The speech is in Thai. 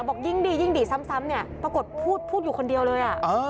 บอกยิ่งดียิ่งดีซ้ำเนี่ยปรากฏพูดอยู่คนเดียวเลย